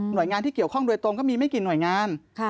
โดยงานที่เกี่ยวข้องโดยตรงก็มีไม่กี่หน่วยงาน